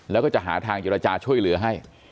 แล้วก็จะหาทางเจรจาช่วยเหลือให้